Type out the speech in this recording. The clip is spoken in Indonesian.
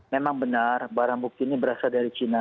memang benar barang bukti ini berasal dari cina